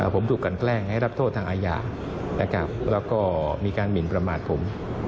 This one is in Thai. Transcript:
ผมถูกกันแกล้งให้รับโทษทางอาญานะครับแล้วก็มีการหมินประมาทผม